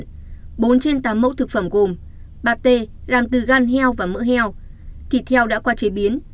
bốn trên tám mẫu thực phẩm gồm ba t làm từ gan heo và mỡ heo thịt heo đã qua chế biến